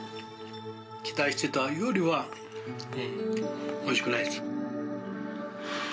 期待してたよりは、おいしくないです。